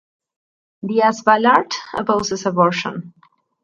Diaz-Balart opposes abortion.